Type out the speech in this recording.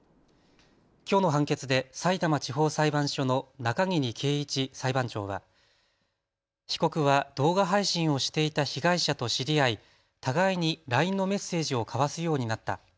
きょうの判決でさいたま地方裁判所の中桐圭一裁判長は被告は動画配信をしていた被害者と知り合い、互いにＬＩＮＥのメッセージを交わすようになった。